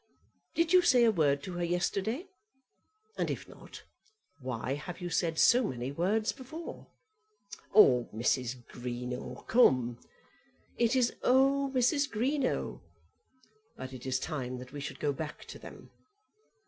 "Did you say a word to her yesterday? And if not, why have you said so many words before?" "Oh, Mrs. Greenow; come!" "It is, oh, Mrs. Greenow. But it is time that we should go back to them."